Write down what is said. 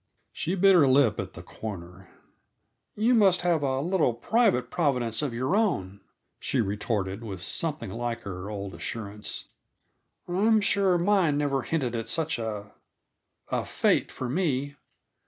She bit her lip at the corner. "You must have a little private Providence of your own," she retorted, with something like her old assurance. "I'm sure mine never hinted at such a a fate for me.